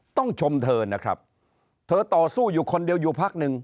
ชมเธอนะครับเธอต่อสู้อยู่คนเดียวอยู่พักหนึ่ง